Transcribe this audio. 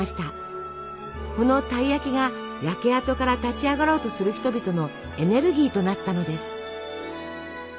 このたい焼きが焼け跡から立ち上がろうとする人々のエネルギーとなったのです。